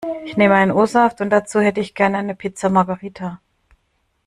Ich nehme einen O-Saft und dazu hätte ich gerne die Pizza Margherita.